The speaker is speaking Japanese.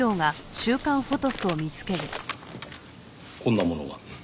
こんなものが。